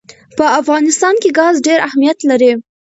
په افغانستان کې ګاز ډېر اهمیت لري.